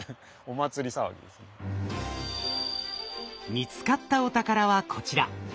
見つかったお宝はこちら。